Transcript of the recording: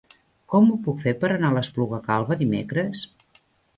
Com ho puc fer per anar a l'Espluga Calba dimecres?